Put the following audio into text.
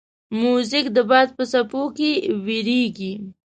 موزیک د باد په څپو کې ویریږي.